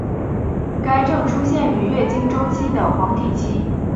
该症出现于月经周期的黄体期。